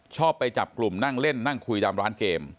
ชอบไปจับกลุ่มนั่งเล่นนั่งคุยตามร้านเกม